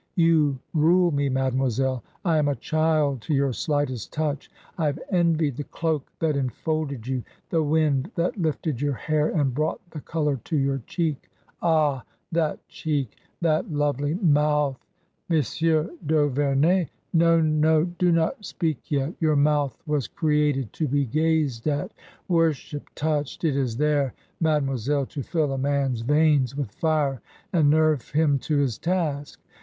You rule me, mademoiselle ; I am a child to your slightest touch. I have envied the cloak that enfolded you, the wind that lifted your hair and brought the colour to your cheek. Ah, that cheek! That lovely mouth "" Monsieur d'Auverney !"" No ! No ! Do not speak yet. Your mouth was created to be gazed at — worshipped — touched. It is there, mademoiselle, to fill a man's veins with fire and nerve him to his task.